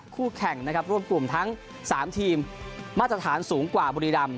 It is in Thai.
คู่แข่งร่วมกลุ่มทั้ง๓ทีมมาตรฐานสูงกว่าบุรีรัมพ์